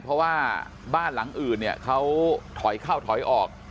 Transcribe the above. เพราะว่าบ้านหลังอื่นเนี่ยเขาถอยเข้าถอยออก